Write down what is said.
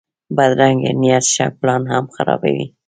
بدرنګه نیت ښه پلان هم خرابوي